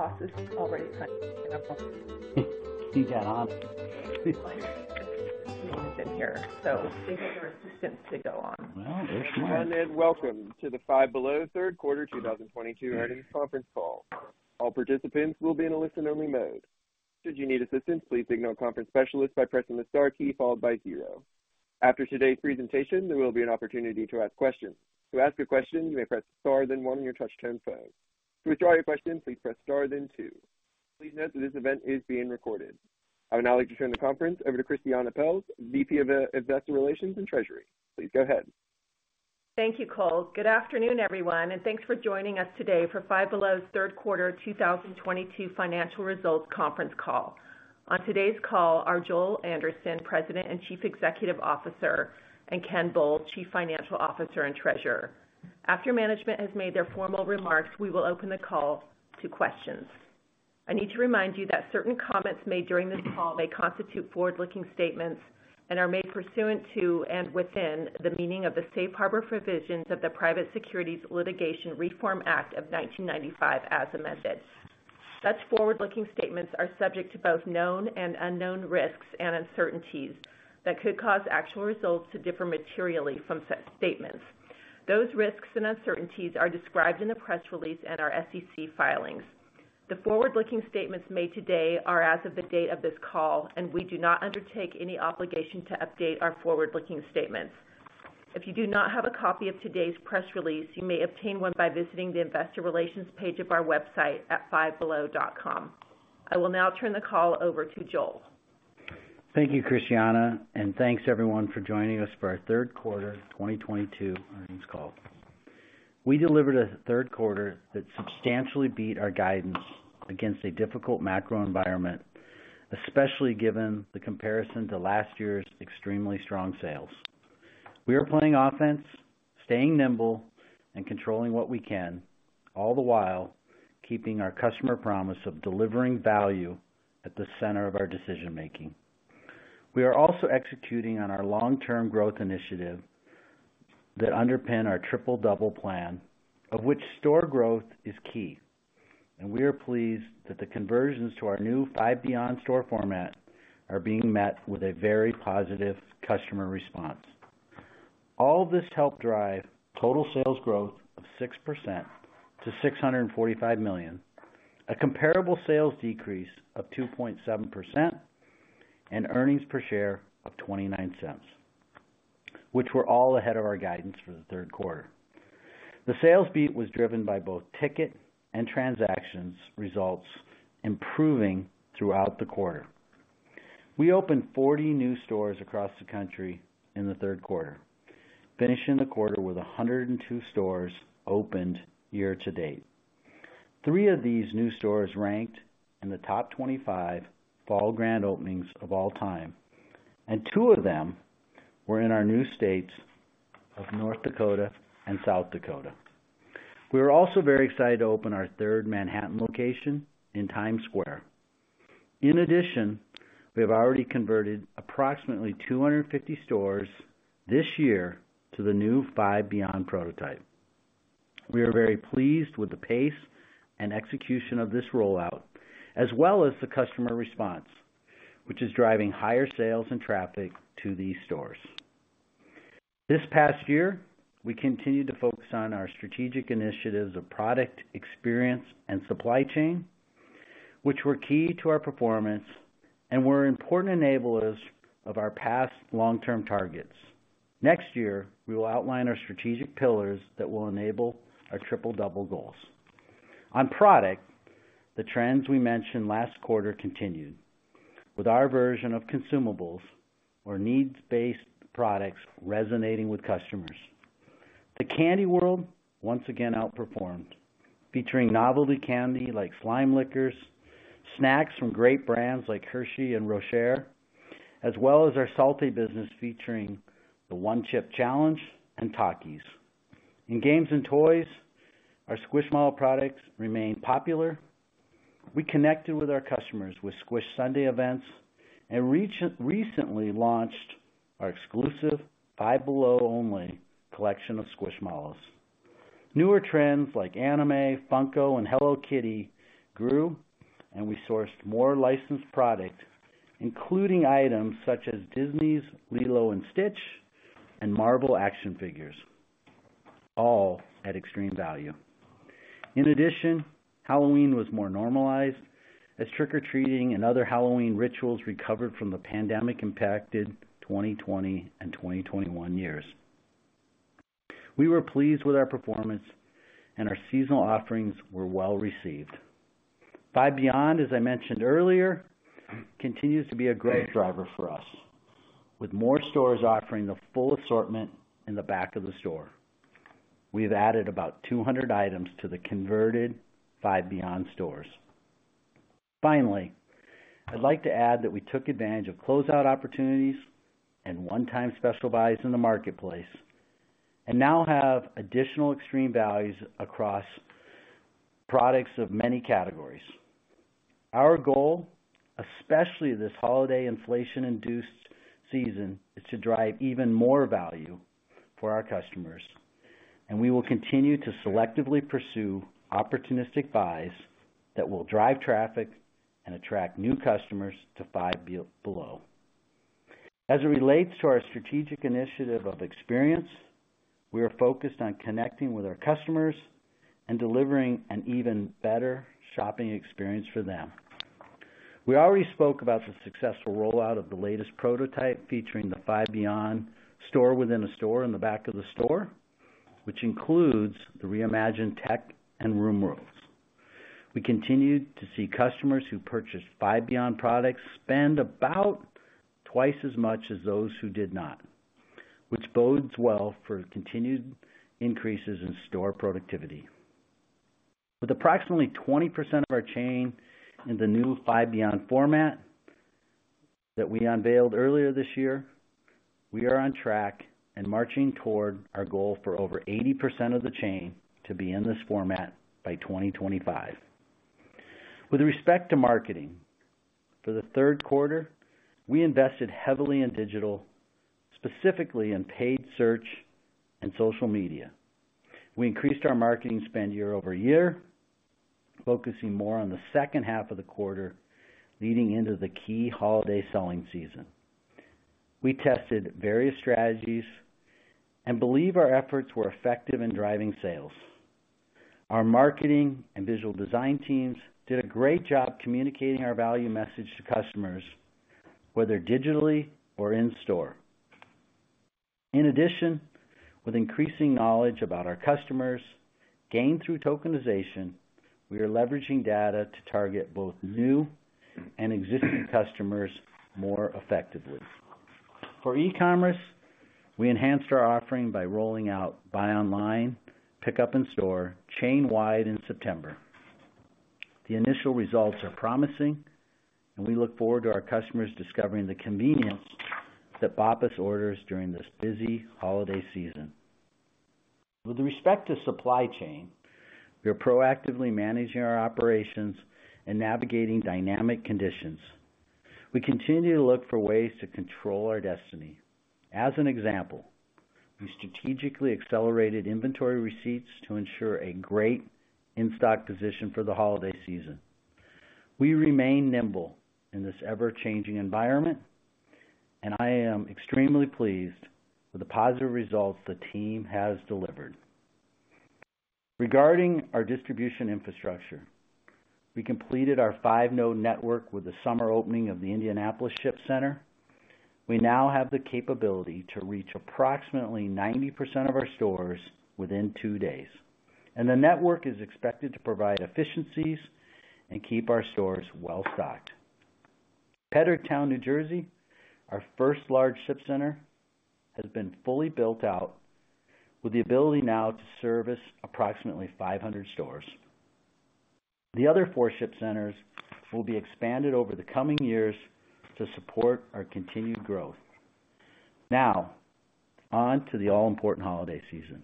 Welcome to the Five Below Third Quarter 2022 Earnings Conference Call. All participants will be in a listen-only mode. Should you need assistance, please signal conference specialist by pressing the * key followed by 0. After today's presentation, there will be an opportunity to ask questions. To ask a question, you may press * then 1 on your touch-tone phone. To withdraw your question, please press * then 2. Please note that this event is being recorded. I would now like to turn the conference over to Christiane Pelz, VP of Investor Relations and Treasury. Please go ahead. Thank you, Cole. Good afternoon, everyone. Thanks for joining us today for Five Below's third quarter 2022 financial results conference call. On today's call are Joel Anderson, President and Chief Executive Officer, and Ken Bull, Chief Financial Officer and Treasurer. After management has made their formal remarks, we will open the call to questions. I need to remind you that certain comments made during this call may constitute forward-looking statements and are made pursuant to, and within the meaning of the safe harbor provisions of the Private Securities Litigation Reform Act of 1995 as amended. Such forward-looking statements are subject to both known and unknown risks and uncertainties that could cause actual results to differ materially from such statements. Those risks and uncertainties are described in the press release and our SEC filings. The forward-looking statements made today are as of the date of this call, and we do not undertake any obligation to update our forward-looking statements. If you do not have a copy of today's press release, you may obtain one by visiting the Investor Relations page of our website at fivebelow.com. I will now turn the call over to Joel. Thank you, Christiane, and thanks everyone for joining us for our third quarter 2022 earnings call. We delivered a third quarter that substantially beat our guidance against a difficult macro environment, especially given the comparison to last year's extremely strong sales. We are playing offense, staying nimble and controlling what we can, all the while keeping our customer promise of delivering value at the center of our decision-making. We are also executing on our long-term growth initiative that underpin our Triple-Double plan, of which store growth is key, and we are pleased that the conversions to our new Five Beyond store format are being met with a very positive customer response. All of this helped drive total sales growth of 6% to $645 million, a comparable sales decrease of 2.7%, and earnings per share of $0.29, which were all ahead of our guidance for the third quarter. The sales beat was driven by both ticket and transactions results improving throughout the quarter. We opened 40 new stores across the country in the third quarter, finishing the quarter with 102 stores opened year to date. Three of these new stores ranked in the top 25 fall grand openings of all time, and two of them were in our new states of North Dakota and South Dakota. We were also very excited to open our third Manhattan location in Times Square. In addition, we have already converted approximately 250 stores this year to the new Five Beyond prototype. We are very pleased with the pace and execution of this rollout, as well as the customer response, which is driving higher sales and traffic to these stores. This past year, we continued to focus on our strategic initiatives of product, experience, and supply chain, which were key to our performance and were important enablers of our past long-term targets. Next year, we will outline our strategic pillars that will enable our Triple-Double goals. On product, the trends we mentioned last quarter continued, with our version of consumables or needs-based products resonating with customers. The Candy World once again outperformed, featuring novelty candy like Slime Lickers, snacks from great brands like Hershey and Rocher, as well as our salty business featuring the One Chip Challenge and Takis. In games and toys, our Squishmallow products remained popular. We connected with our customers with Squish Sunday events. recently launched our exclusive Five Below only collection of Squishmallows. Newer trends like anime, Funko, and Hello Kitty grew. We sourced more licensed products, including items such as Disney's Lilo & Stitch and Marvel action figures, all at extreme value. Halloween was more normalized as trick-or-treating and other Halloween rituals recovered from the pandemic impacted 2020 and 2021 years. We were pleased with our performance and our seasonal offerings were well received. Five Beyond, as I mentioned earlier, continues to be a great driver for us. With more stores offering the full assortment in the back of the store, we have added about 200 items to the converted Five Beyond stores. Finally, I'd like to add that we took advantage of closeout opportunities and one-time special buys in the marketplace and now have additional extreme values across products of many categories. Our goal, especially this holiday inflation-induced season, is to drive even more value for our customers, and we will continue to selectively pursue opportunistic buys that will drive traffic and attract new customers to Five Below. As it relates to our strategic initiative of experience, we are focused on connecting with our customers and delivering an even better shopping experience for them. We already spoke about the successful rollout of the latest prototype featuring the Five Beyond store within a store in the back of the store, which includes the reimagined tech and Room worlds. We continued to see customers who purchased Five Beyond products spend about twice as much as those who did not, which bodes well for continued increases in store productivity. With approximately 20% of our chain in the new Five Beyond format that we unveiled earlier this year, we are on track and marching toward our goal for over 80% of the chain to be in this format by 2025. With respect to marketing, for the 3rd quarter, we invested heavily in digital, specifically in paid search and social media. We increased our marketing spend year-over-year, focusing more on the second half of the quarter, leading into the key holiday selling season. We tested various strategies and believe our efforts were effective in driving sales. Our marketing and visual design teams did a great job communicating our value message to customers, whether digitally or in-store. With increasing knowledge about our customers gained through tokenization, we are leveraging data to target both new and existing customers more effectively. For e-commerce, we enhanced our offering by rolling out buy online, pickup in store chain-wide in September. The initial results are promising and we look forward to our customers discovering the convenience that BOPUS orders during this busy holiday season. With respect to supply chain, we are proactively managing our operations and navigating dynamic conditions. We continue to look for ways to control our destiny. As an example, we strategically accelerated inventory receipts to ensure a great in-stock position for the holiday season. We remain nimble in this ever-changing environment, and I am extremely pleased with the positive results the team has delivered. Regarding our distribution infrastructure, we completed our five-node network with the summer opening of the Indianapolis Ship Center. We now have the capability to reach approximately 90% of our stores within 2 days, and the network is expected to provide efficiencies and keep our stores well-stocked. Pedricktown, New Jersey, our first large ship center, has been fully built out with the ability now to service approximately 500 stores. The other 4 ship centers will be expanded over the coming years to support our continued growth. Now on to the all-important holiday season.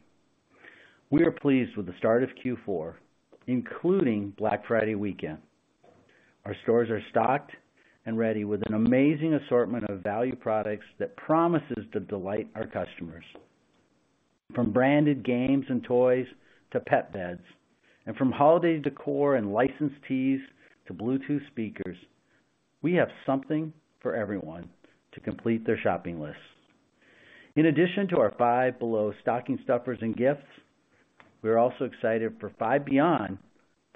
We are pleased with the start of Q4, including Black Friday weekend. Our stores are stocked and ready with an amazing assortment of value products that promises to delight our customers. From branded games and toys to pet beds, and from holiday decor and licensed tees to Bluetooth speakers, we have something for everyone to complete their shopping lists. In addition to our Five Below stocking stuffers and gifts, we're also excited for Five Beyond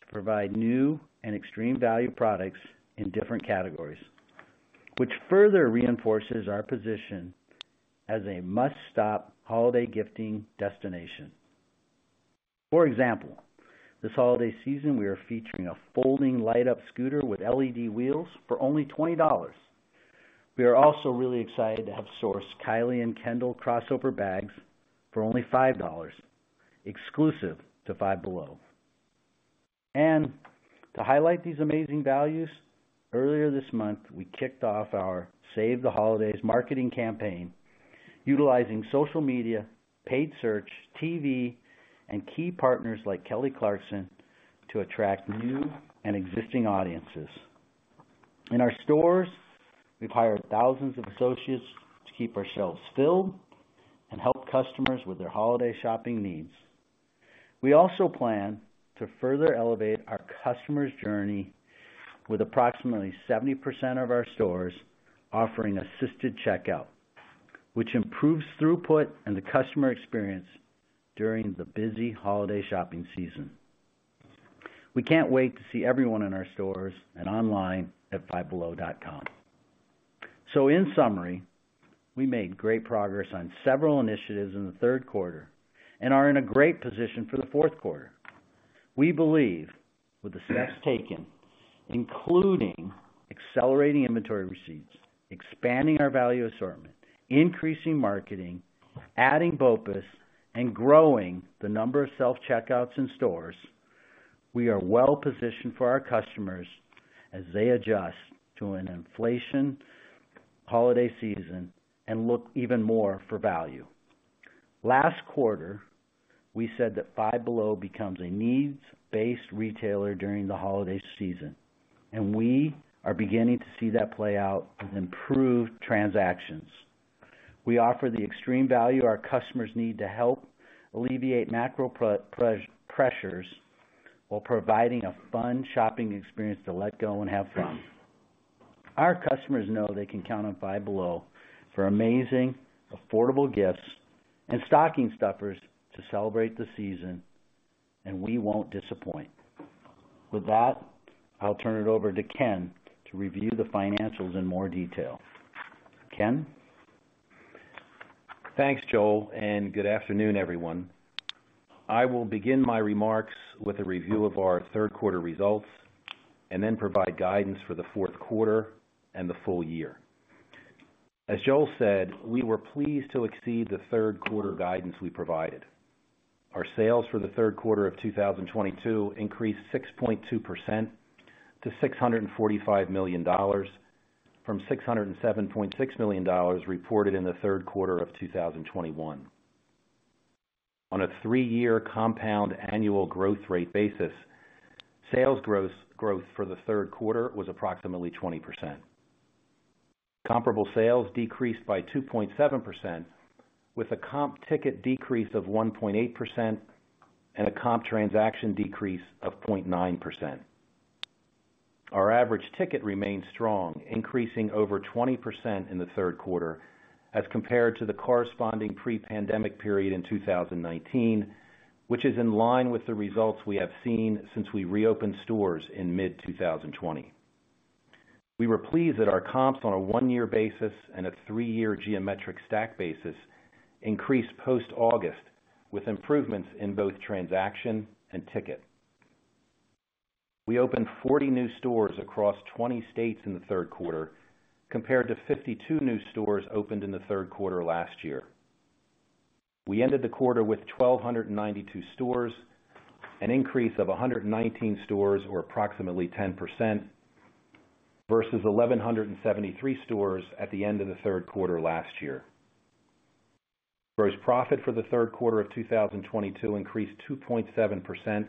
to provide new and extreme value products in different categories, which further reinforces our position as a must-stop holiday gifting destination. For example, this holiday season, we are featuring a folding light-up scooter with LED wheels for only $20. We are also really excited to have sourced Kylie and Kendall crossover bags for only $5, exclusive to Five Below. To highlight these amazing values, earlier this month, we kicked off our Save the Holidays marketing campaign utilizing social media, paid search, TV, and key partners like Kelly Clarkson to attract new and existing audiences. In our stores, we've hired thousands of associates to keep our shelves filled and help customers with their holiday shopping needs. We also plan to further elevate our customers' journey with approximately 70% of our stores offering assisted checkout, which improves throughput and the customer experience during the busy holiday shopping season. We can't wait to see everyone in our stores and online at fivebelow.com. In summary, we made great progress on several initiatives in the third quarter and are in a great position for the fourth quarter. We believe with the steps taken, including accelerating inventory receipts, expanding our value assortment, increasing marketing, adding BOPUS, and growing the number of self-checkouts in stores, we are well positioned for our customers as they adjust to an inflation holiday season and look even more for value. Last quarter, we said that Five Below becomes a needs-based retailer during the holiday season. We are beginning to see that play out with improved transactions. We offer the extreme value our customers need to help alleviate macro pre-pressures while providing a fun shopping experience to let go and have fun. Our customers know they can count on Five Below for amazing, affordable gifts and stocking stuffers to celebrate the season. We won't disappoint. With that, I'll turn it over to Ken to review the financials in more detail. Ken? Thanks, Joel, and good afternoon, everyone. I will begin my remarks with a review of our third quarter results and then provide guidance for the fourth quarter and the full year. As Joel said, we were pleased to exceed the third quarter guidance we provided. Our sales for the third quarter of 2022 increased 6.2% to $645 million from $607.6 million reported in the third quarter of 2021. On a three-year compound annual growth rate basis, sales gross-growth for the third quarter was approximately 20%. Comparable sales decreased by 2.7%, with a comp ticket decrease of 1.8% and a comp transaction decrease of 0.9%. Our average ticket remained strong, increasing over 20% in the third quarter as compared to the corresponding pre pandemic period in 2019, which is in line with the results we have seen since we reopened stores in mid 2020. We were pleased that our comps on a one year basis and a three year geometric stack basis increased post August with improvements in both transaction and ticket. We opened 40 new stores across 20 states in the third quarter compared to 52 new stores opened in the third quarter last year. We ended the quarter with 1,292 stores, an increase of 119 stores, or approximately 10% versus 1,173 stores at the end of the third quarter last year. Gross profit for the third quarter of 2022 increased 2.7%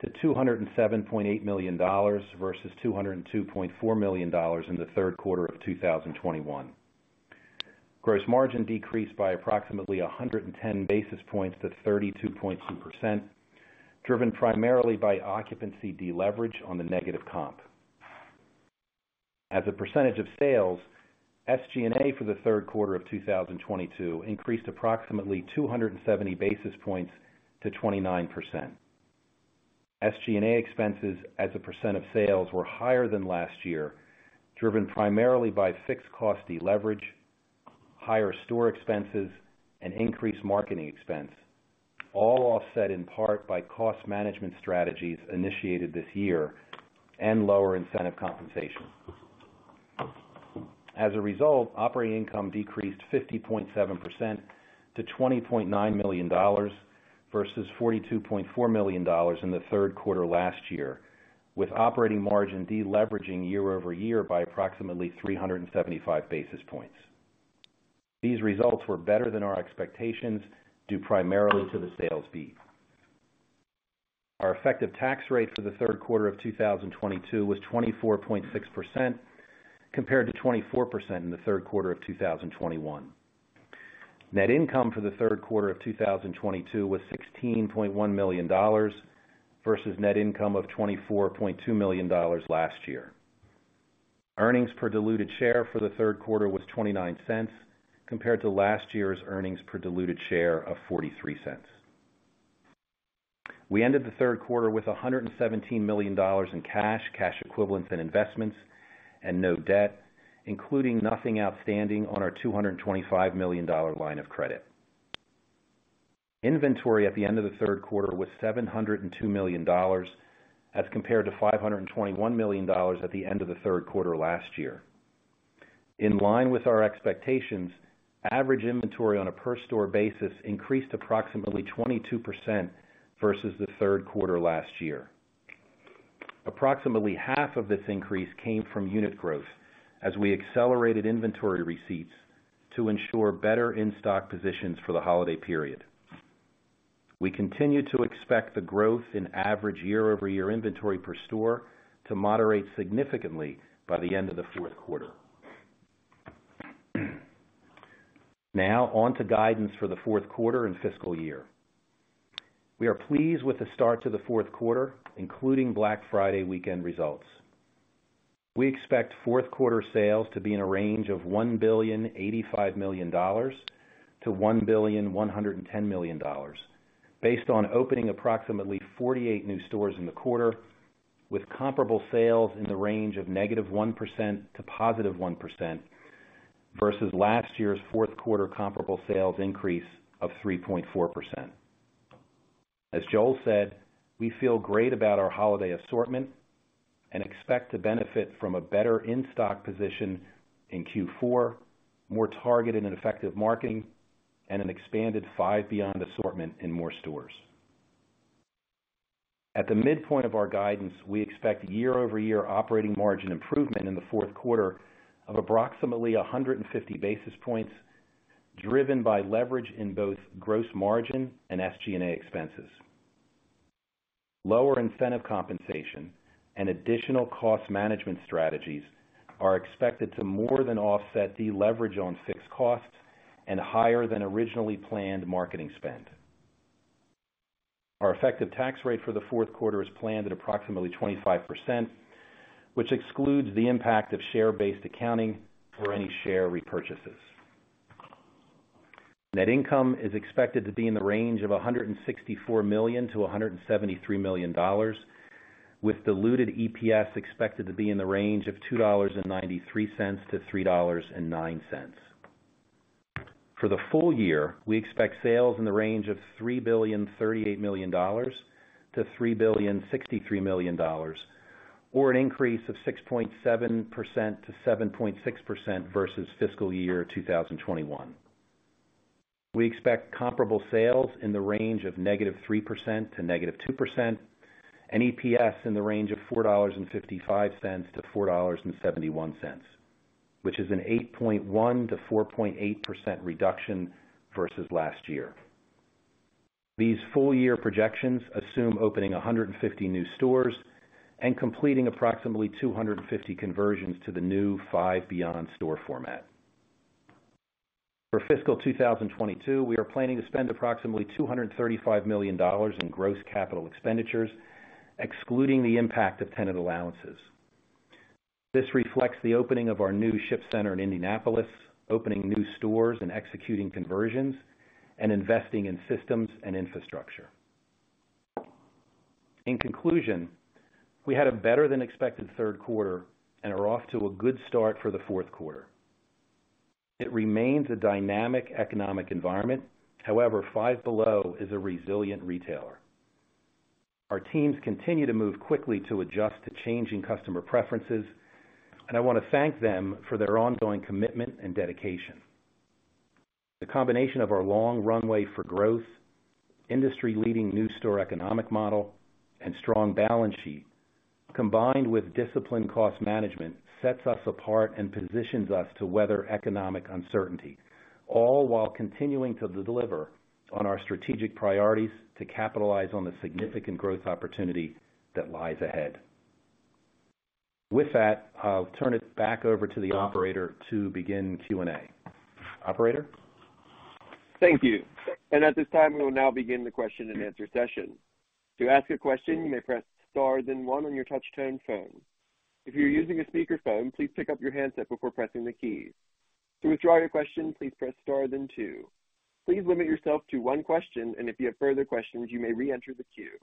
to $207.8 million versus $202.4 million in the third quarter of 2021. Gross margin decreased by approximately 110 basis points to 32.2%, driven primarily by occupancy deleverage on the negative comp. As a % of sales, SG&A for the third quarter of 2022 increased approximately 270 basis points to 29%. SG&A expenses as a % of sales were higher than last year, driven primarily by fixed cost deleverage, higher store expenses, and increased marketing expense, all offset in part by cost management strategies initiated this year and lower incentive compensation. As a result, operating income decreased 50.7% to $20.9 million versus $42.4 million in the third quarter last year, with operating margin deleveraging year-over-year by approximately 375 basis points. These results were better than our expectations, due primarily to the sales fee. Our effective tax rate for the third quarter of 2022 was 24.6%, compared to 24% in the third quarter of 2021. Net income for the third quarter of 2022 was $16.1 million versus net income of $24.2 million last year. Earnings per diluted share for the third quarter was $0.29 compared to last year's earnings per diluted share of $0.43. We ended the third quarter with $117 million in cash equivalents and investments and no debt, including nothing outstanding on our $225 million line of credit. Inventory at the end of the third quarter was $702 million as compared to $521 million at the end of the third quarter last year. In line with our expectations, average inventory on a per store basis increased approximately 22% versus the third quarter last year. Approximately half of this increase came from unit growth as we accelerated inventory receipts to ensure better in-stock positions for the holiday period. We continue to expect the growth in average year-over-year inventory per store to moderate significantly by the end of the fourth quarter. On to guidance for the fourth quarter and fiscal year. We are pleased with the start to the fourth quarter, including Black Friday weekend results. We expect fourth quarter sales to be in a range of $1.085 billion to $1.110 billion based on opening approximately 48 new stores in the quarter, with comparable sales in the range of -1% to +1% versus last year's fourth quarter comparable sales increase of 3.4%. As Joel said, we feel great about our holiday assortment and expect to benefit from a better in-stock position in Q4, more targeted and effective marketing, and an expanded Five Beyond assortment in more stores. At the midpoint of our guidance, we expect year-over-year operating margin improvement in the fourth quarter of approximately 150 basis points, driven by leverage in both gross margin and SG&A expenses. Lower incentive compensation and additional cost management strategies are expected to more than offset the leverage on fixed costs and higher than originally planned marketing spend. Our effective tax rate for the fourth quarter is planned at approximately 25%, which excludes the impact of share-based accounting or any share repurchases. Net income is expected to be in the range of $164 million-$173 million, with diluted EPS expected to be in the range of $2.93-$3.09. For the full year, we expect sales in the range of $3,038 million-$3,063 million, or an increase of 6.7%-7.6% versus fiscal year 2021. We expect comparable sales in the range of -3% to -2% and EPS in the range of $4.55-$4.71, which is an 8.1% to 4.8% reduction versus last year. These full year projections assume opening 150 new stores and completing approximately 250 conversions to the new Five Beyond store format. For fiscal 2022, we are planning to spend approximately $235 million in gross capital expenditures, excluding the impact of tenant allowances. This reflects the opening of our new ship center in Indianapolis, opening new stores and executing conversions, and investing in systems and infrastructure. In conclusion, we had a better than expected third quarter and are off to a good start for the fourth quarter. It remains a dynamic economic environment. Five Below is a resilient retailer. Our teams continue to move quickly to adjust to changing customer preferences, I wanna thank them for their ongoing commitment and dedication. The combination of our long runway for growth, industry-leading new store economic model, and strong balance sheet, combined with disciplined cost management, sets us apart and positions us to weather economic uncertainty, all while continuing to deliver on our strategic priorities to capitalize on the significant growth opportunity that lies ahead. With that, I'll turn it back over to the operator to begin Q&A. Operator? Thank you. At this time, we will now begin the question-and-answer session. To ask a question, you may press * then 1 on your touch tone phone. If you're using a speakerphone, please pick up your handset before pressing the keys. To withdraw your question, please press * then 2. Please limit yourself to 1 question, and if you have further questions, you may re-enter the queue.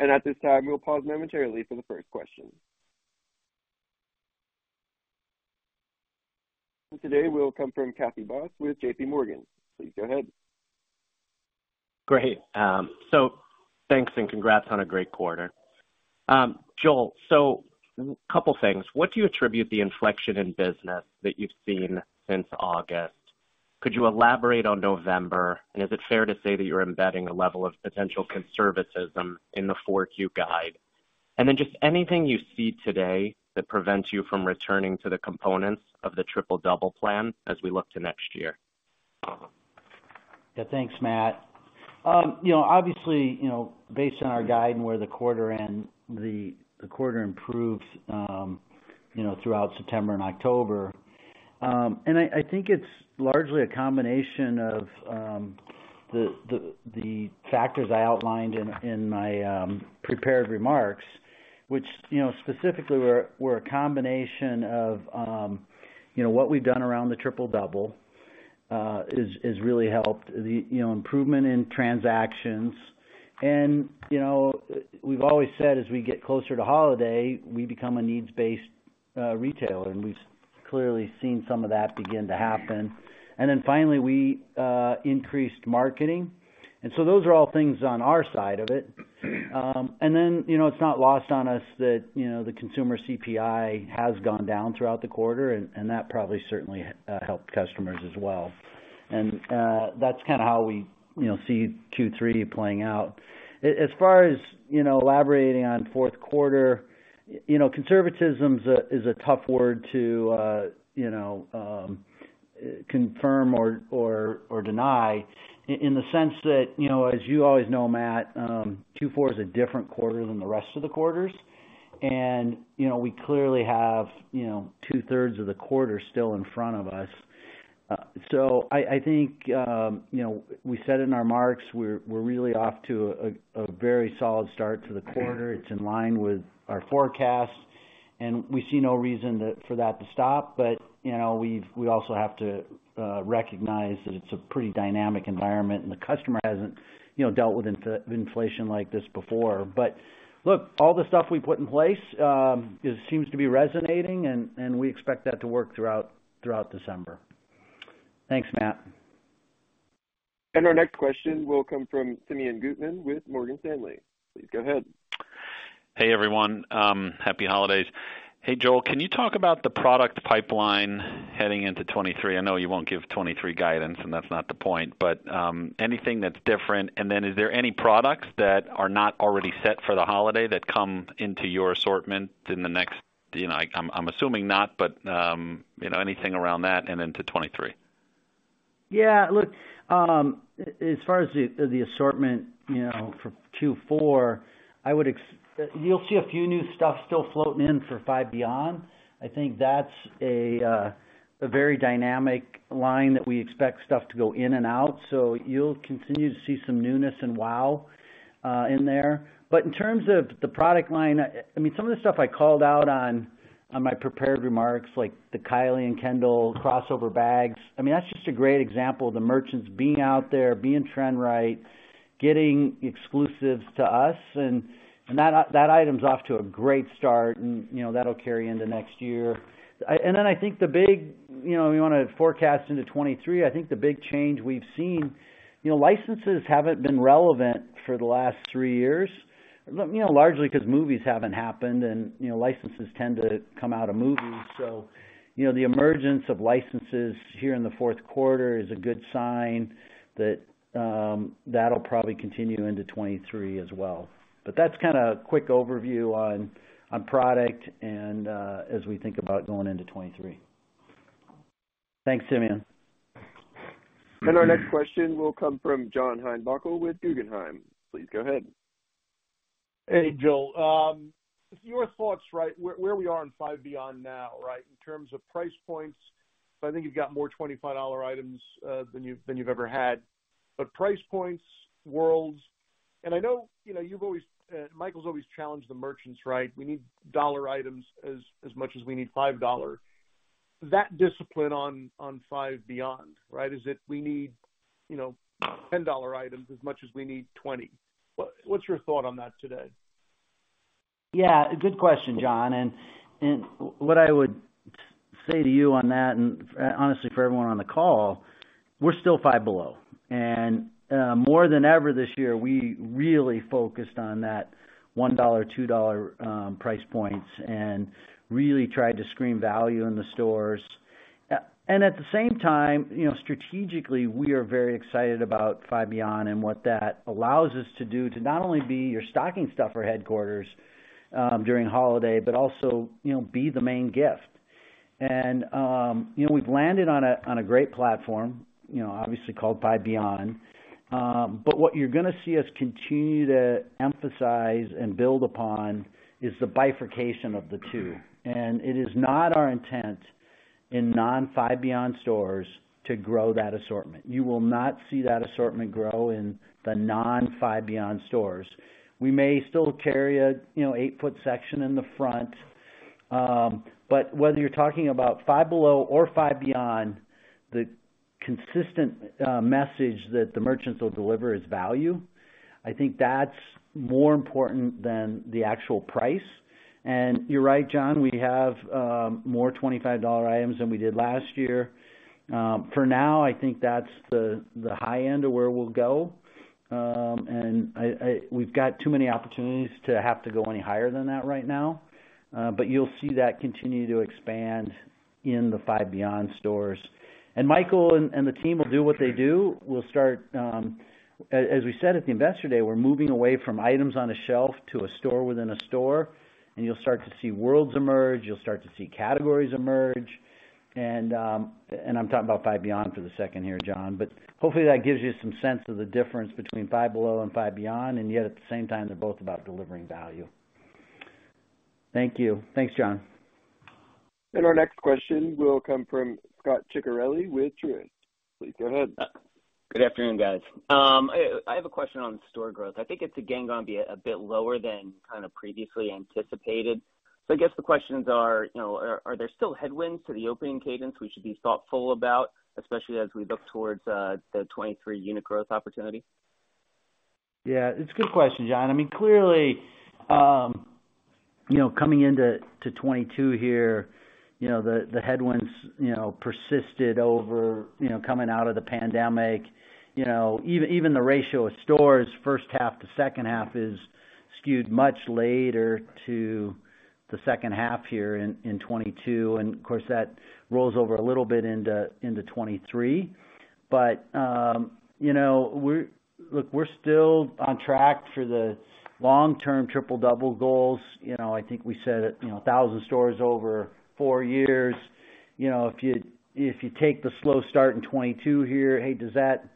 At this time, we'll pause momentarily for the first question. Today will come from Matthew Boss with JPMorgan. Please go ahead. Great. Thanks and congrats on a great quarter. Joel, a couple of things. What do you attribute the inflection in business that you've seen since August? Could you elaborate on November? Is it fair to say that you're embedding a level of potential conservatism in the 4Q guide? Just anything you see today that prevents you from returning to the components of the Triple Double plan as we look to next year? Yeah. Thanks, Matt. you know, obviously, you know, based on our guide and where the quarter improves, you know, throughout September and October. I think it's largely a combination of the factors I outlined in my prepared remarks, which, you know, specifically were a combination of, you know, what we've done around the Triple-Double has really helped the, you know, improvement in transactions. you know, we've always said as we get closer to holiday, we become a needs-based retailer, and we've clearly seen some of that begin to happen. Finally, we increased marketing. Those are all things on our side of it. You know, it's not lost on us that, you know, the consumer CPI has gone down throughout the quarter, and that probably certainly helped customers as well. That's kinda how we, you know, see Q3 playing out. As far as, you know, elaborating on fourth quarter, you know, conservatism's a tough word to, you know, confirm or deny in the sense that, you know, as you always know, Matt, Q4 is a different quarter than the rest of the quarters. You know, we clearly have, you know, two-thirds of the quarter still in front of us. So I think, you know, we said in our marks we're really off to a very solid start to the quarter. It's in line with our forecast. We see no reason for that to stop. You know, we also have to recognize that it's a pretty dynamic environment and the customer hasn't, you know, dealt with inflation like this before. Look, all the stuff we put in place, it seems to be resonating and we expect that to work throughout December. Thanks, Matt. Our next question will come from Simeon Gutman with Morgan Stanley. Please go ahead. Hey, everyone. Happy holidays. Hey, Joel, can you talk about the product pipeline heading into 2023? I know you won't give 2023 guidance, and that's not the point, but anything that's different. Is there any products that are not already set for the holiday that come into your assortment in the next? You know, I'm assuming not, but, you know, anything around that and into 2023. Yeah. Look, as far as the assortment, you know, for Q4, You'll see a few new stuff still floating in for Five Beyond. I think that's a very dynamic line that we expect stuff to go in and out. You'll continue to see some newness and wow, in there. In terms of the product line, I mean, some of the stuff I called out on my prepared remarks, like the Kendall + Kylie crossover bags, I mean, that's just a great example of the merchants being out there, being trend-right, getting exclusives to us, and that item's off to a great start and, you know, that'll carry into next year. Then I think the big, you know, you wanna forecast into 2023, I think the big change we've seen, you know, licenses haven't been relevant for the last 3 years. You know, largely 'cause movies haven't happened and, you know, licenses tend to come out of movies. You know, the emergence of licenses here in the 4th quarter is a good sign that that'll probably continue into 2023 as well. That's kinda a quick overview on product and as we think about going into 2023. Thanks, Simeon. Our next question will come from John Heinbockel with Guggenheim. Please go ahead. Hey, Joel. Your thoughts, right, where we are in Five Beyond now, right, in terms of price points. I think you've got more $25 items, than you, than you've ever had. Price points, worlds, and I know, you know, you've always Michael's always challenged the merchants, right? We need dollar items as much as we need $5. That discipline on Five Beyond, right, is it we need, you know, $10 items as much as we need $20. What's your thought on that today? Yeah, good question, John. What I would say to you on that and honestly, for everyone on the call, we're still Five Below. More than ever this year, we really focused on that $1, $2 price points and really tried to screen value in the stores. At the same time, you know, strategically, we are very excited about Five Beyond and what that allows us to do to not only be your stocking stuffer headquarters during holiday, but also, you know, be the main gift. You know, we've landed on a, on a great platform, you know, obviously called Five Beyond. What you're gonna see us continue to emphasize and build upon is the bifurcation of the two. It is not our intent in non-Five Beyond stores to grow that assortment. You will not see that assortment grow in the non-Five Beyond stores. We may still carry a, you know, 8-foot section in the front. Whether you're talking about Five Below or Five Beyond, the consistent message that the merchants will deliver is value. I think that's more important than the actual price. You're right, John, we have more $25 items than we did last year. For now, I think that's the high end of where we'll go. We've got too many opportunities to have to go any higher than that right now. You'll see that continue to expand in the Five Beyond stores. Michael and the team will do what they do. We'll start, as we said at the Investor Day, we're moving away from items on a shelf to a store within a store. You'll start to see worlds emerge, you'll start to see categories emerge. I'm talking about Five Beyond for the second here, John. Hopefully, that gives you some sense of the difference between Five Below and Five Beyond, and yet at the same time, they're both about delivering value. Thank you. Thanks, John. Our next question will come from Scot Ciccarelli with Truist. Please go ahead. Uh- Good afternoon, guys. I have a question on store growth. I think it's again gonna be a bit lower than kind of previously anticipated. I guess the questions are, you know, are there still headwinds to the opening cadence we should be thoughtful about, especially as we look towards the 2023 unit growth opportunity? Yeah, it's a good question, John. I mean, clearly, you know, coming into 2022 here, you know, the headwinds, you know, persisted over, you know, coming out of the pandemic. You know, even the ratio of stores first half to second half is skewed much later to the second half here in 2022. Of course, that rolls over a little bit into 2023. Look, we're still on track for the long-term Triple-Double goals. You know, I think we said, you know, 1,000 stores over 4 years. You know, if you take the slow start in 2022 here, hey, does that,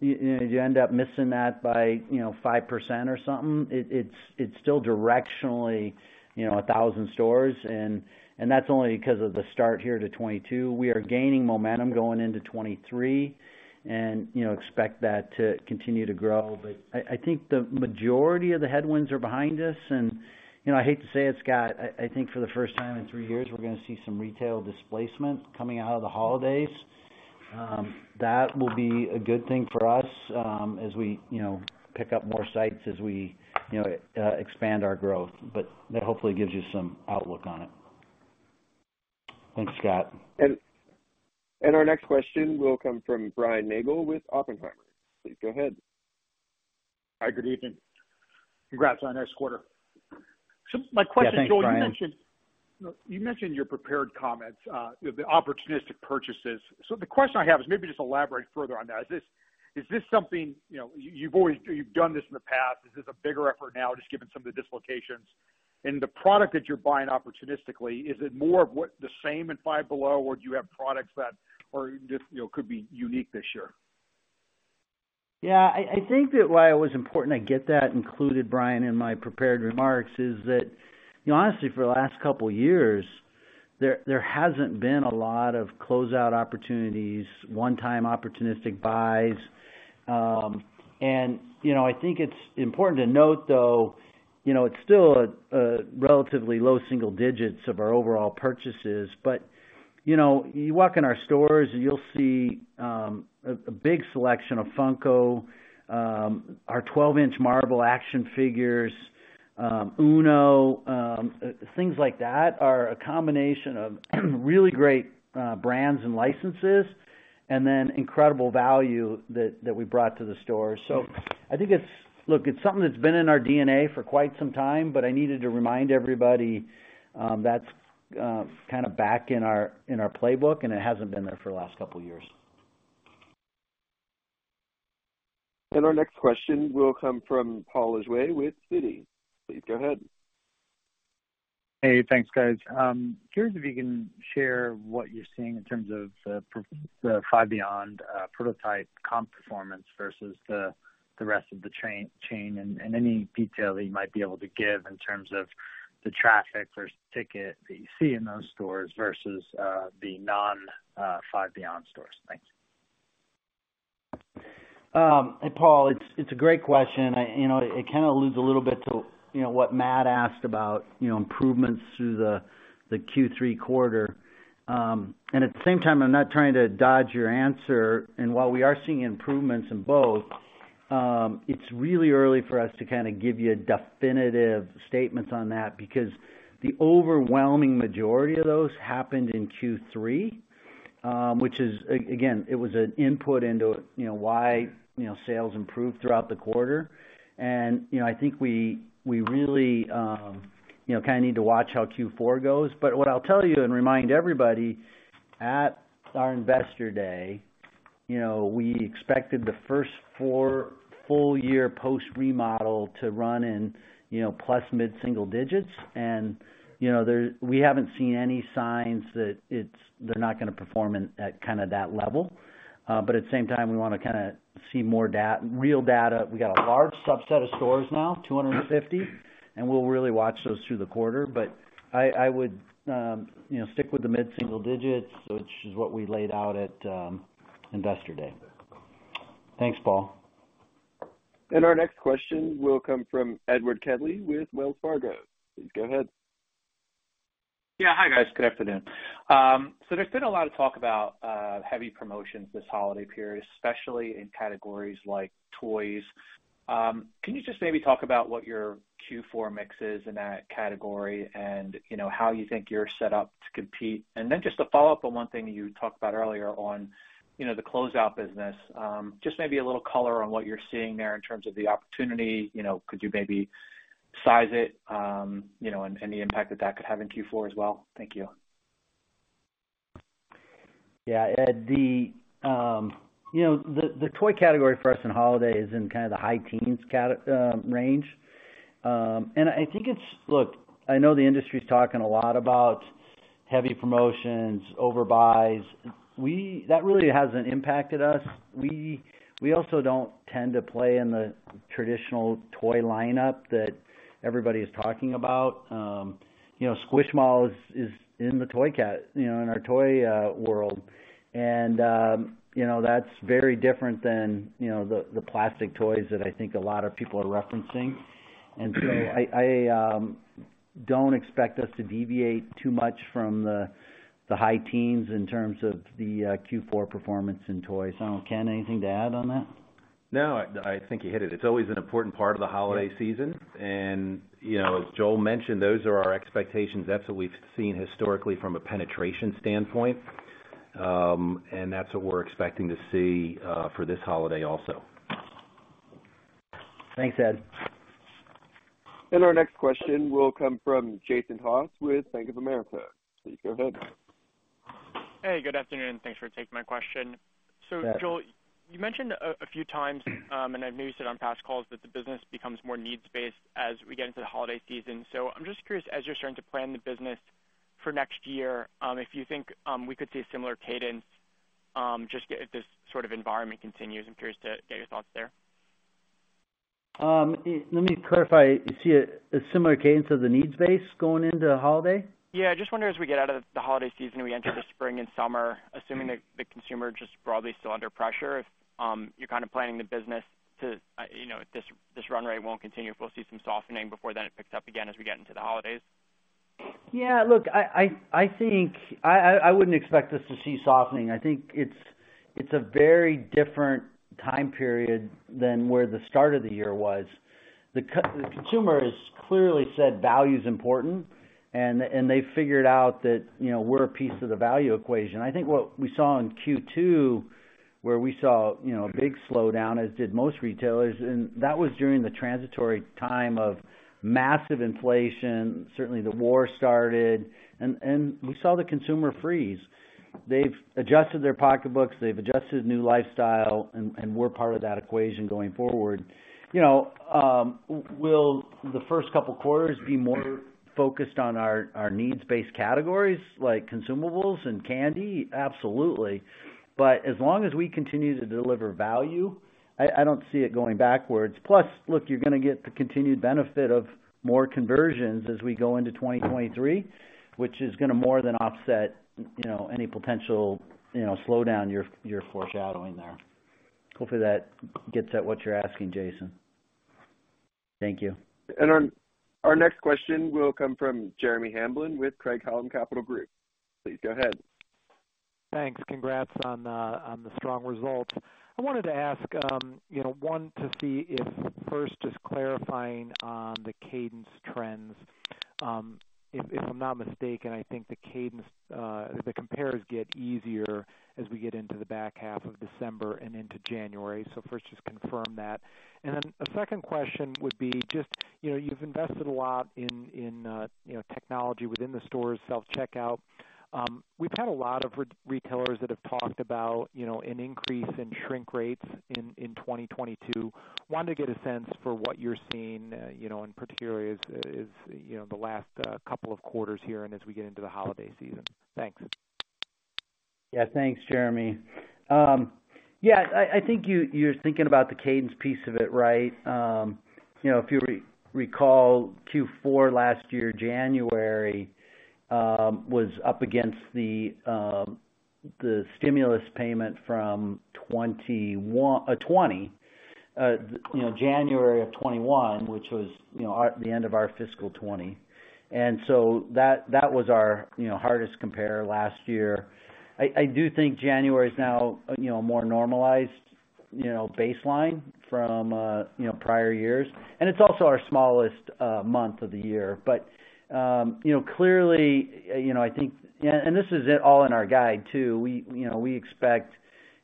you know, do you end up missing that by, you know, 5% or something? It's still directionally, you know, 1,000 stores, and that's only 'cause of the start here to 2022. We are gaining momentum going into 2023 and, you know, expect that to continue to grow. I think the majority of the headwinds are behind us and, you know, I hate to say it, Scott, I think for the first time in 3 years, we're gonna see some retail displacement coming out of the holidays. That will be a good thing for us, as we, you know, pick up more sites as we, you know, expand our growth. That hopefully gives you some outlook on it. Thanks, Scott. Our next question will come from Brian Nagel with Oppenheimer. Please go ahead. Hi, good evening. Congrats on a nice quarter. Yeah. Thanks, Brian. My question is, Joel, you mentioned in your prepared comments, the opportunistic purchases. The question I have is maybe just elaborate further on that. Is this something, you know, you've always done this in the past. Is this a bigger effort now just given some of the dislocations? The product that you're buying opportunistically, is it more of what the same in Five Below, or do you have products that are just, you know, could be unique this year? I think that why it was important I get that included, Brian, in my prepared remarks, is that, you know, honestly, for the last couple years, there hasn't been a lot of closeout opportunities, one-time opportunistic buys. You know, I think it's important to note, though, you know, it's still a relatively low single digits of our overall purchases. You know, you walk in our stores and you'll see a big selection of Funko, our 12-inch Marvel action figures, UNO, things like that are a combination of really great brands and licenses and then incredible value that we brought to the store. I think it's something that's been in our DNA for quite some time, but I needed to remind everybody, that's kind of back in our playbook and it hasn't been there for the last couple years. Our next question will come from Paul Lejuez with Citi. Please go ahead. Hey, thanks, guys. Curious if you can share what you're seeing in terms of the Five Beyond prototype comp performance versus the rest of the chain and any detail that you might be able to give in terms of the traffic versus ticket that you see in those stores versus the non Five Beyond stores? Thank you. Paul, it's a great question. I, you know, it kinda alludes a little bit to, you know, what Matt asked about, you know, improvements through the Q3 quarter. At the same time, I'm not trying to dodge your answer. While we are seeing improvements in both, it's really early for us to kinda give you definitive statements on that because the overwhelming majority of those happened in Q3, which is, again, it was an input into, you know, why, you know, sales improved throughout the quarter. You know, I think we really, you know, kinda need to watch how Q4 goes. What I'll tell you and remind everybody at our Investor Day, you know, we expected the first four full year post remodel to run in, you know, plus mid-single digits. You know, we haven't seen any signs that they're not gonna perform in, at kind of that level. At the same time, we wanna kinda see more real data. We got a large subset of stores now, 250, and we'll really watch those through the quarter. I would, you know, stick with the mid-single digits, which is what we laid out at Investor Day. Thanks, Paul. Our next question will come from Edward Kelly with Wells Fargo. Please go ahead. Yeah. Hi, guys. Good afternoon. There's been a lot of talk about heavy promotions this holiday period, especially in categories like toys. Can you just maybe talk about what your Q4 mix is in that category and, you know, how you think you're set up to compete? Just to follow up on one thing you talked about earlier on, you know, the closeout business, just maybe a little color on what you're seeing there in terms of the opportunity. You know, could you maybe size it, you know, and the impact that that could have in Q4 as well? Thank you. Yeah. Edward, you know, the toy category for us in holiday is in kind of the high teens range. I think Look, I know the industry is talking a lot about heavy promotions, overbuys. That really hasn't impacted us. We also don't tend to play in the traditional toy lineup that everybody is talking about. You know, Squishmallows is in the toy you know, in our toy world. You know, that's very different than, you know, the plastic toys that I think a lot of people are referencing. I don't expect us to deviate too much from the high teens in terms of the Q4 performance in toys. I don't know, Ken, anything to add on that? No, I think you hit it. It's always an important part of the holiday season. You know, as Joel mentioned, those are our expectations. That's what we've seen historically from a penetration standpoint. That's what we're expecting to see for this holiday also. Thanks, Ed. Our next question will come from Jason Haas with Bank of America. Please go ahead. Hey, good afternoon. Thanks for taking my question. Yeah. Joel, you mentioned a few times, and I've know you said on past calls, that the business becomes more needs-based as we get into the holiday season. I'm just curious, as you're starting to plan the business for next year, if you think we could see a similar cadence, just if this sort of environment continues. I'm curious to get your thoughts there. Let me clarify. You see a similar cadence of the needs base going into the holiday? Yeah. I just wonder, as we get out of the holiday season and we enter the spring and summer, assuming the consumer just broadly still under pressure, if you're kinda planning the business to, you know, this run rate won't continue, if we'll see some softening before then it picks up again as we get into the holidays. Yeah. Look, I think I wouldn't expect us to see softening. I think It's a very different time period than where the start of the year was. The consumer has clearly said value is important, and they figured out that, you know, we're a piece of the value equation. I think what we saw in Q2, where we saw a big slowdown, as did most retailers, and that was during the transitory time of massive inflation. Certainly, the war started and we saw the consumer freeze. They've adjusted their pocketbooks, they've adjusted new lifestyle, and we're part of that equation going forward. Will the first couple quarters be more focused on our needs based categories like consumables and candy? Absolutely. As long as we continue to deliver value, I don't see it going backwards. Look, you're going to get the continued benefit of more conversions as we go into 2023, which is going to more than offset, you know, any potential, you know, slowdown you're foreshadowing there. Hopefully, that gets at what you're asking, Jason. Thank you. Our next question will come from Jeremy Hamblin with Craig-Hallum Capital Group. Please go ahead. Thanks. Congrats on the strong results. I wanted to ask, you know, one, to see if first just clarifying on the cadence trends. If I'm not mistaken, I think the cadence, the compares get easier as we get into the back half of December and into January. First, just confirm that. Then a second question would be just, you know, you've invested a lot in technology within the stores, self-checkout. We've had a lot of retailers that have talked about, you know, an increase in shrink rates in 2022. Wanted to get a sense for what you're seeing, you know, in particular as, you know, the last couple of quarters here and as we get into the holiday season. Thanks. Yeah. Thanks, Jeremy. Yeah, I think you're thinking about the cadence piece of it right. You know, if you recall Q4 last year, January was up against the stimulus payment from 2020. You know, January of 2021, which was, you know, the end of our fiscal 2020. That, that was our, you know, hardest compare last year. I do think January is now, you know, a more normalized, you know, baseline from, you know, prior years. It's also our smallest, month of the year. Clearly, you know, this is it all in our guide too. We, you know, we expect,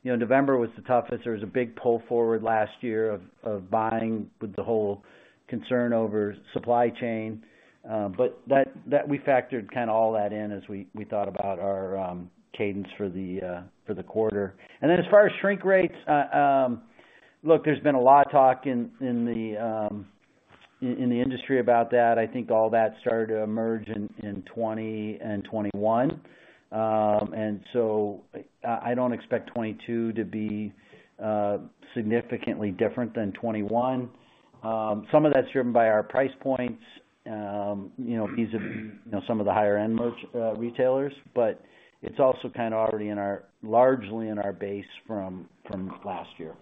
you know, November was the toughest. There was a big pull forward last year of buying with the whole concern over supply chain. That we factored kind of all that in as we thought about our cadence for the quarter. As far as shrink rates, look, there's been a lot of talk in the industry about that. I think all that started to emerge in 2020 and 2021. I don't expect 2022 to be significantly different than 2021. Some of that's driven by our price points, you know, vis-a, you know, some of the higher-end retailers, but it's also kind of already in our largely in our base from last year.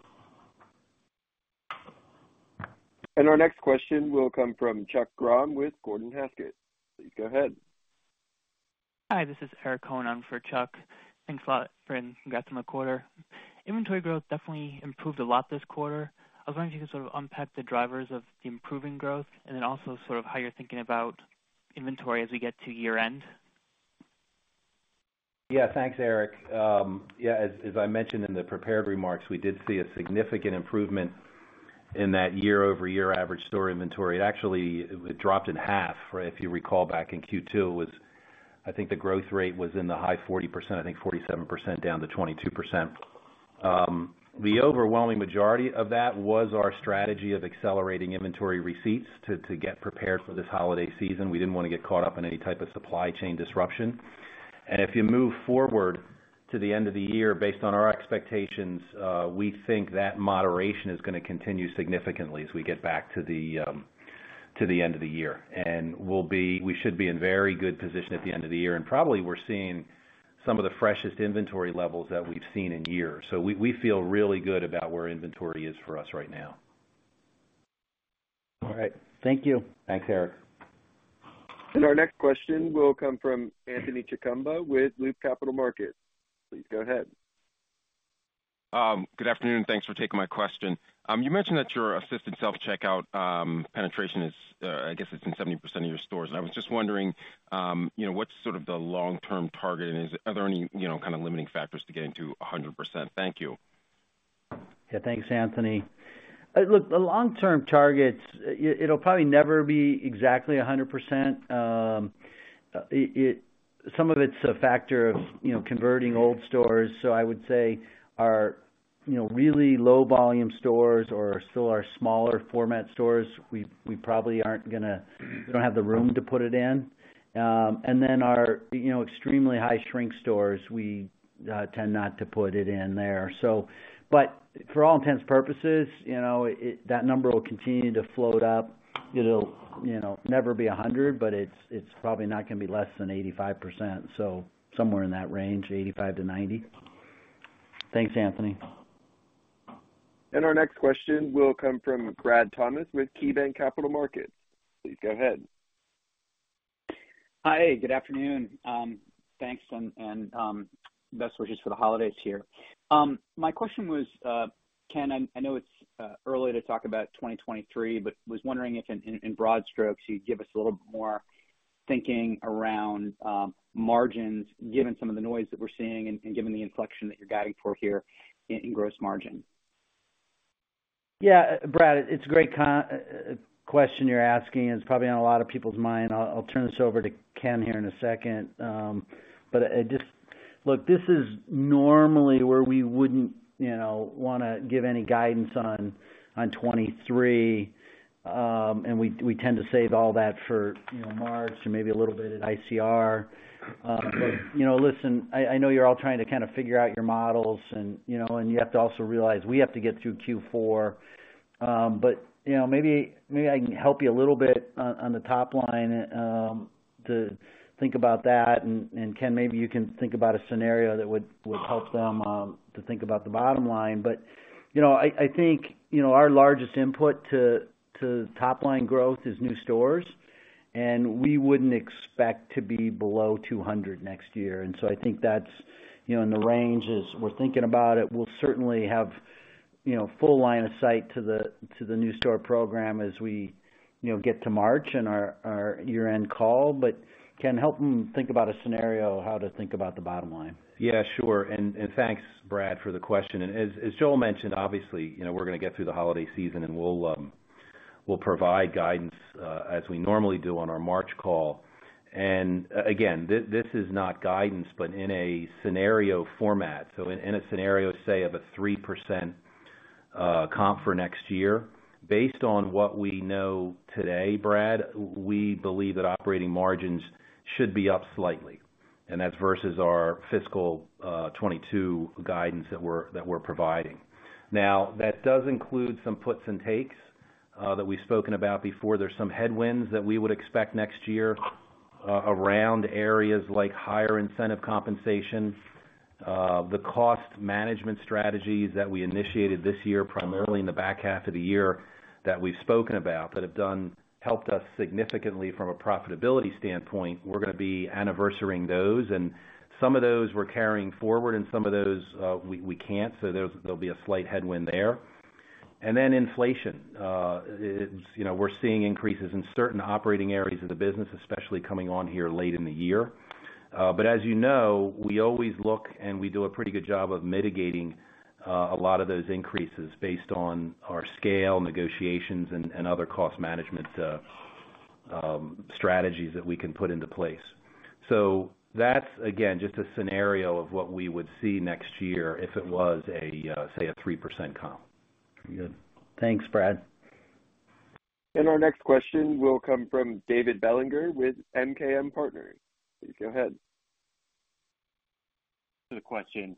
Our next question will come from Chuck Grom with Gordon Haskett. Please go ahead. Hi, this is Eric Cohen on for Chuck. Thanks a lot, and congrats on the quarter. Inventory growth definitely improved a lot this quarter. I was wondering if you could sort of unpack the drivers of the improving growth and then also sort of how you're thinking about inventory as we get to year end? Yeah. Thanks, Eric. Yeah, as I mentioned in the prepared remarks, we did see a significant improvement in that year-over-year average store inventory. It actually, it dropped in half, right? If you recall back in Q2 was I think the growth rate was in the high 40%, I think 47% down to 22%. The overwhelming majority of that was our strategy of accelerating inventory receipts to get prepared for this holiday season. We didn't wanna get caught up in any type of supply chain disruption. If you move forward to the end of the year, based on our expectations, we think that moderation is gonna continue significantly as we get back to the end of the year. We should be in very good position at the end of the year. Probably we're seeing some of the freshest inventory levels that we've seen in years. We feel really good about where inventory is for us right now. All right. Thank you. Thanks, Eric. Our next question will come from Anthony Chukumba with Loop Capital Markets. Please go ahead. Good afternoon, thanks for taking my question. You mentioned that your assisted self-checkout penetration is, I guess it's in 70% of your stores. I was just wondering, you know, what's sort of the long-term target, are there any, you know, kind of limiting factors to getting to 100%? Thank you. Thanks, Anthony. Look, the long-term targets, it'll probably never be exactly 100%. Some of it's a factor of, you know, converting old stores. I would say our, you know, really low volume stores or still our smaller format stores, we probably aren't gonna we don't have the room to put it in. Our, you know, extremely high shrink stores, we tend not to put it in there. For all intents and purposes, you know, that number will continue to float up. It'll, you know, never be 100, but it's probably not gonna be less than 85%, somewhere in that range, 85%-90%. Thanks, Anthony. Our next question will come from Brad Thomas with KeyBanc Capital Markets. Please go ahead. Hi, good afternoon. Thanks and best wishes for the holidays here. My question was, Ken, I know it's early to talk about 2023, but was wondering if in broad strokes, you'd give us a little bit more thinking around margins, given some of the noise that we're seeing and given the inflection that you're guiding for here in gross margin. Yeah, Brad, it's a great question you're asking, it's probably on a lot of people's mind. I'll turn this over to Ken here in a second. Look, this is normally where we wouldn't, you know, wanna give any guidance on 2023. We tend to save all that for, you know, March or maybe a little bit at ICR. You know, listen, I know you're all trying to kind of figure out your models and, you know, you have to also realize we have to get through Q4. You know, maybe I can help you a little bit on the top line to think about that. Ken, maybe you can think about a scenario that would help them to think about the bottom line. You know, I think, you know, our largest input to top line growth is new stores, and we wouldn't expect to be below 200 next year. I think that's, you know, in the range as we're thinking about it. We'll certainly have, you know, full line of sight to the, to the new store program as we, you know, get to March in our year-end call. Ken, help him think about a scenario how to think about the bottom line. Yeah, sure. Thanks, Brad, for the question. As Joel mentioned, obviously, you know, we're gonna get through the holiday season and we'll provide guidance as we normally do on our March call. Again, this is not guidance, but in a scenario format. In a scenario, say, of a 3% comp for next year, based on what we know today, Brad, we believe that operating margins should be up slightly, and that's versus our fiscal 22 guidance that we're providing. Now, that does include some puts and takes that we've spoken about before. There's some headwinds that we would expect next year around areas like higher incentive compensation. The cost management strategies that we initiated this year, primarily in the back half of the year, that we've spoken about, that have helped us significantly from a profitability standpoint, we're gonna be anniversarying those. Some of those we're carrying forward and some of those, we can't. There'll be a slight headwind there. Inflation. It's, you know, we're seeing increases in certain operating areas of the business, especially coming on here late in the year. But as you know, we always look and we do a pretty good job of mitigating a lot of those increases based on our scale, negotiations and other cost management strategies that we can put into place. That's again, just a scenario of what we would see next year if it was a, say a 3% comp. Good. Thanks, Brad. Our next question will come from David Bellinger with MKM Partners. Please go ahead. The question.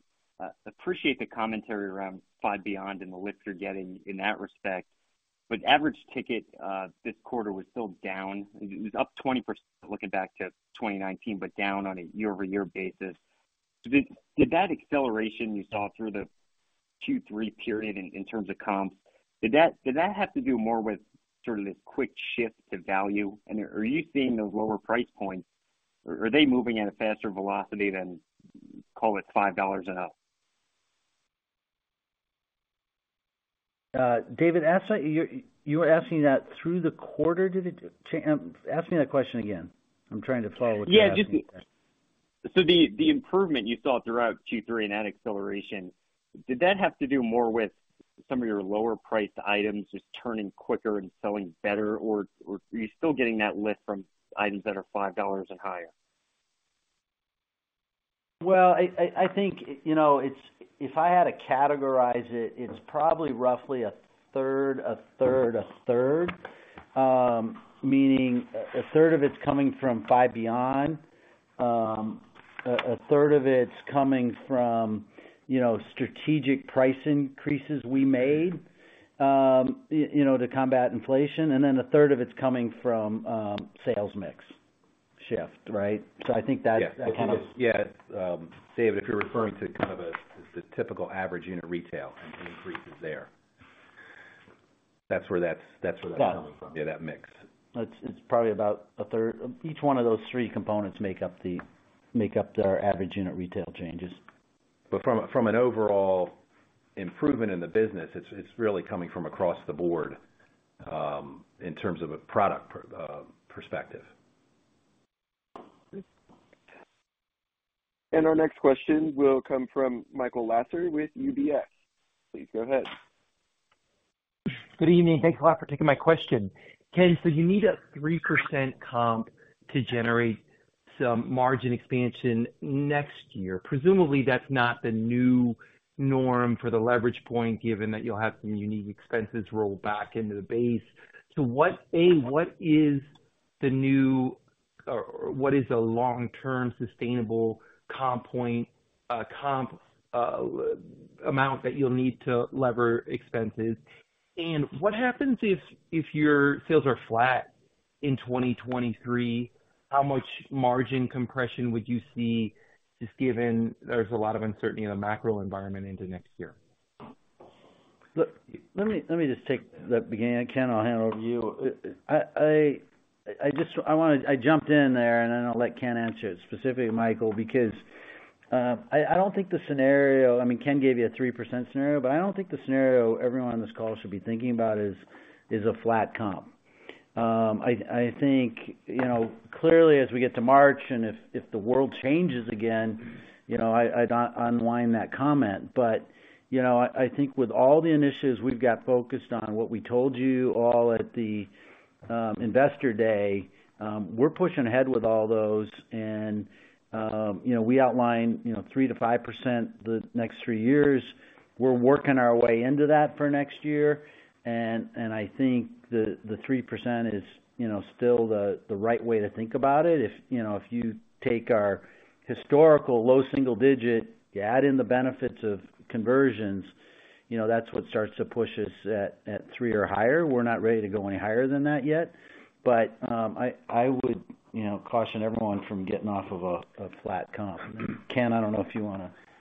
Appreciate the commentary around Five Beyond and the lift you're getting in that respect. Average ticket this quarter was still down. It was up 20% looking back to 2019, down on a year-over-year basis. Did that acceleration you saw through the Q3 period in terms of comp, did that have to do more with sort of this quick shift to value? Are you seeing those lower price points? Are they moving at a faster velocity than, call it $5 and up? David, you were asking that through the quarter? Ask me that question again. I'm trying to follow what you're asking. Yeah, the improvement you saw throughout Q3 and that acceleration, did that have to do more with some of your lower priced items just turning quicker and selling better? Or are you still getting that lift from items that are $5 and higher? Well, I think, you know, it's if I had to categorize it's probably roughly a third, a third, a third. Meaning a third of it's coming from Five Beyond. A third of it's coming from, you know, strategic price increases we made, you know, to combat inflation. A third of it's coming from sales mix shift, right? I think that's. Yeah. the kind of- Yes. David, if you're referring to kind of the typical average unit retail and increases there. That's where that's where that's coming from. But- Yeah, that mix. It's probably about a third. Each one of those three components make up our average unit retail changes. From an overall improvement in the business, it's really coming from across the board, in terms of a product perspective. Our next question will come from Michael Lasser with UBS. Please go ahead. Good evening. Thanks a lot for taking my question. Ken, you need a 3% comp to generate some margin expansion next year. Presumably, that's not the new norm for the leverage point, given that you'll have some unique expenses roll back into the base. What, A, what is the long-term sustainable comp point, comp amount that you'll need to lever expenses? What happens if your sales are flat in 2023? How much margin compression would you see, just given there's a lot of uncertainty in the macro environment into next year? Look, let me just take the beginning. Ken, I'll hand it over to you. I jumped in there, I'll let Ken answer specifically, Michael, because I don't think the scenario... I mean, Ken gave you a 3% scenario, I don't think the scenario everyone on this call should be thinking about is a flat comp. I think, you know, clearly as we get to March if the world changes again, you know, I'd unwind that comment. You know, I think with all the initiatives we've got focused on, what we told you all at the Investor Day, we're pushing ahead with all those, you know, we outlined, you know, 3%-5% the next three years. We're working our way into that for next year. I think the 3% is, you know, still the right way to think about it. If, you know, if you take our historical low single digit, you add in the benefits of conversions, you know, that's what starts to push us at 3 or higher. We're not ready to go any higher than that yet. I would, you know, caution everyone from getting off of a flat comp. Ken, I don't know if you.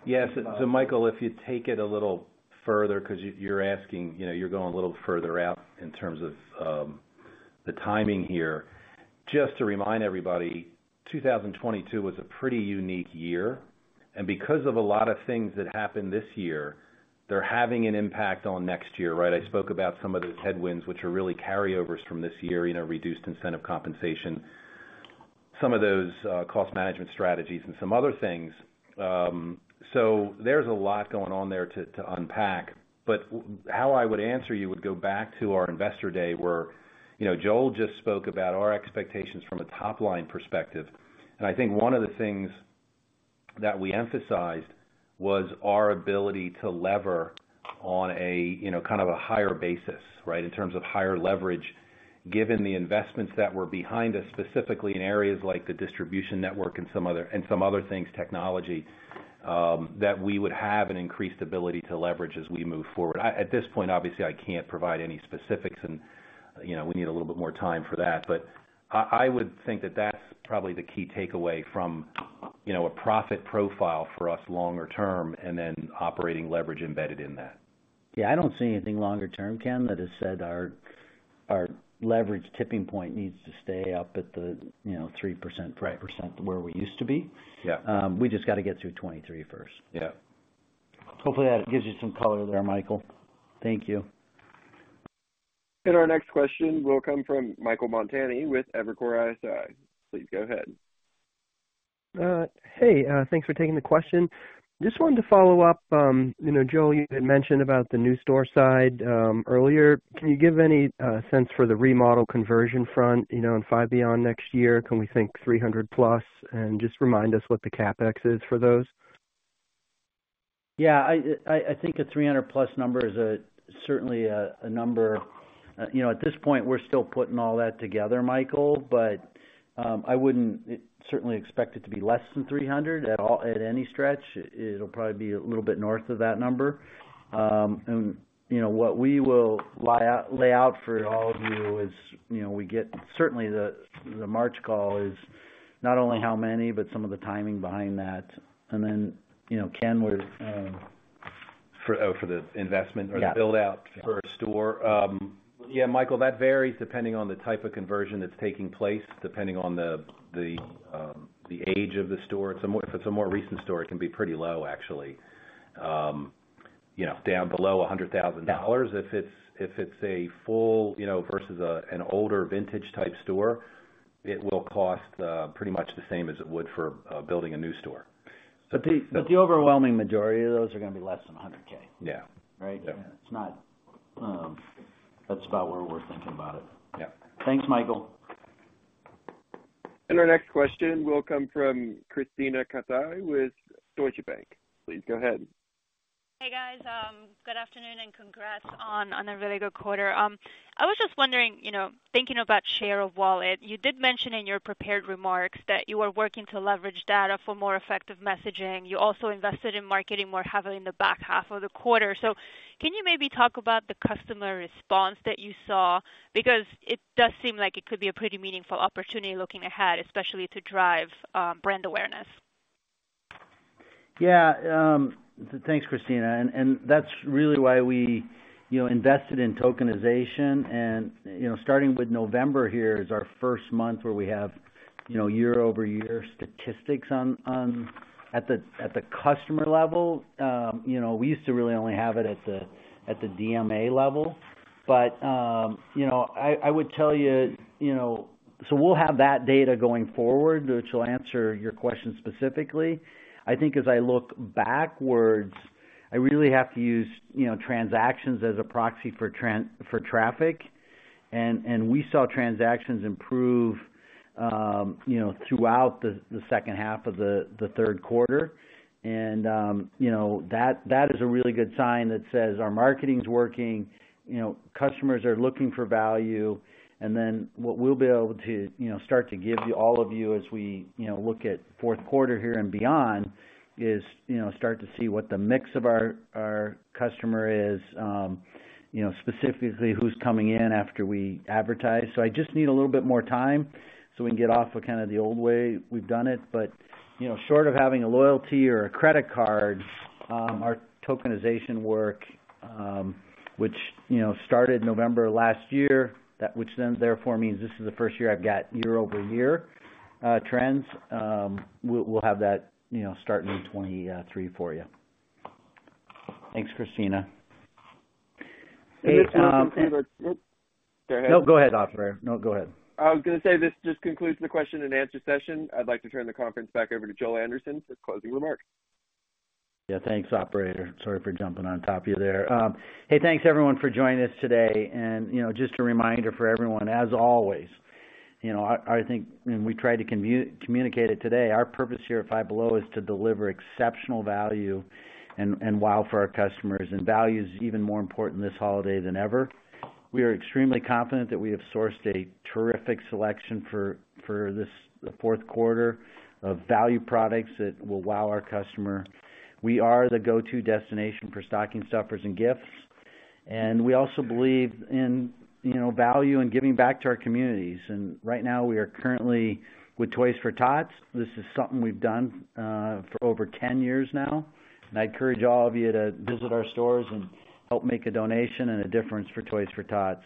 Yes. Michael, if you take it a little further because you're asking, you know, you're going a little further out in terms of the timing here. Just to remind everybody, 2022 was a pretty unique year, and because of a lot of things that happened this year, they're having an impact on next year, right? I spoke about some of those headwinds, which are really carryovers from this year, you know, reduced incentive compensation, some of those cost management strategies and some other things. There's a lot going on there to unpack. How I would answer you would go back to our Investor Day where, you know, Joel just spoke about our expectations from a top-line perspective. I think one of the things that we emphasized was our ability to lever on a, you know, kind of a higher basis, right? In terms of higher leverage, given the investments that were behind us, specifically in areas like the distribution network and some other, and some other things, technology, that we would have an increased ability to leverage as we move forward. At this point, obviously, I can't provide any specifics and, you know, we need a little bit more time for that. I would think that that's probably the key takeaway from, you know, a profit profile for us longer term and then operating leverage embedded in that. Yeah, I don't see anything longer term, Ken. That has said our leverage tipping point needs to stay up at the you know, 3%, 5% where we used to be. Yeah. We just gotta get through 2023 first. Yeah. Hopefully that gives you some color there, Michael. Thank you. Our next question will come from Michael Montani with Evercore ISI. Please go ahead. Hey. Thanks for taking the question. Just wanted to follow up, you know, Joel, you had mentioned about the new store side, earlier. Can you give any sense for the remodel conversion front, you know, in Five Beyond next year? Can we think 300+? Just remind us what the CapEx is for those. Yeah. I think a 300 plus number is certainly a number, you know, at this point, we're still putting all that together, Michael, but I wouldn't certainly expect it to be less than 300 at all, at any stretch. It'll probably be a little bit north of that number. You know, what we will lay out for all of you is, you know, we get certainly the March call is not only how many, but some of the timing behind that. Then, you know, Ken, we're... For the investment or the build-out for a store. Yeah, Michael, that varies depending on the type of conversion that's taking place, depending on the age of the store. If it's a more recent store, it can be pretty low, actually. You know, down below $100,000. If it's a full, you know, versus an older vintage type store, it will cost pretty much the same as it would for building a new store. The overwhelming majority of those are gonna be less than $100K. Yeah. Right? Yeah. It's not. That's about where we're thinking about it. Yeah. Thanks, Michael. Our next question will come from Krisztina Katai with Deutsche Bank. Please go ahead. Hey, guys. good afternoon, and congrats on a really good quarter. I was just wondering, you know, thinking about share of wallet, you did mention in your prepared remarks that you are working to leverage data for more effective messaging. You also invested in marketing more heavily in the back half of the quarter. can you maybe talk about the customer response that you saw? Because it does seem like it could be a pretty meaningful opportunity looking ahead, especially to drive brand awareness. Yeah. Thanks, Krisztina. And that's really why we, you know, invested in tokenization and, you know, starting with November here is our first month where we have, you know, year-over-year statistics at the customer level. You know, we used to really only have it at the DMA level. You know, I would tell you know, we'll have that data going forward, which will answer your question specifically. I think as I look backwards, I really have to use, you know, transactions as a proxy for traffic. And we saw transactions improve, you know, throughout the second half of the third quarter. And, you know, that is a really good sign that says our marketing is working, you know, customers are looking for value. What we'll be able to, you know, start to give you, all of you as we, you know, look at fourth quarter here and beyond is, you know, start to see what the mix of our customer is, you know, specifically who's coming in after we advertise. I just need a little bit more time so we can get off with kind of the old way we've done it. You know, short of having a loyalty or a credit card, our tokenization work, which, you know, started November last year, which then therefore means this is the first year I've got year-over-year trends, we'll have that, you know, starting in 2023 for you. Thanks, Krisztina. Go ahead. No, go ahead, operator. No, go ahead. I was gonna say this just concludes the question and answer session. I'd like to turn the conference back over to Joel Anderson for closing remarks. Yeah. Thanks, operator. Sorry for jumping on top of you there. Hey, thanks everyone for joining us today. You know, just a reminder for everyone, as always, you know, I think when we try to communicate it today, our purpose here at Five Below is to deliver exceptional value and wow for our customers. Value is even more important this holiday than ever. We are extremely confident that we have sourced a terrific selection for this fourth quarter of value products that will wow our customer. We are the go-to destination for stocking stuffers and gifts. We also believe in, you know, value and giving back to our communities. Right now we are currently with Toys for Tots. This is something we've done for over 10 years now. I encourage all of you to visit our stores and help make a donation and a difference for Toys for Tots.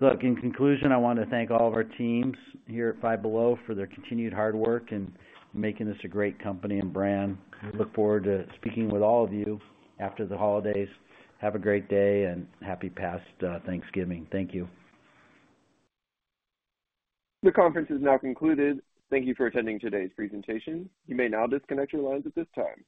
Look, in conclusion, I want to thank all of our teams here at Five Below for their continued hard work in making this a great company and brand. I look forward to speaking with all of you after the holidays. Have a great day and happy past Thanksgiving. Thank you. The conference is now concluded. Thank you for attending today's presentation. You may now disconnect your lines at this time.